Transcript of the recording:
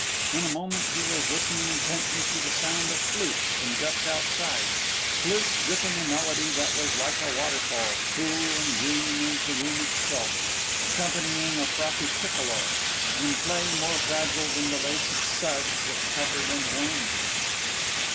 In a moment he was listening intently to the sound of flutes from just outside, flutes dripping a melody that was like a waterfall, cool and green as the room itself, accompanying a frothy piccolo, in play more fragile than the lace of suds that covered and charmed him.